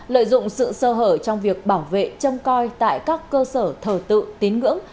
lợi dụng sự sơ hở trong việc bảo vệ châm coi tại các cơ sở thờ tự tín ngưỡng